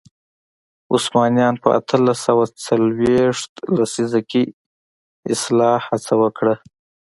عثمانیانو په اتلس سوه څلوېښت لسیزه کې اصلاح هڅه وکړه.